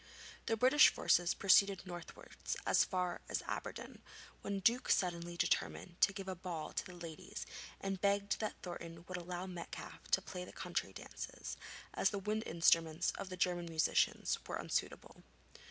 The British forces proceeded northwards as far as Aberdeen, where the Duke suddenly determined to give a ball to the ladies and begged that Thornton would allow Metcalfe to play the country dances, as the wind instruments of the German musicians were unsuitable.